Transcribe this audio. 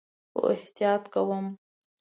خو احتیاط کوم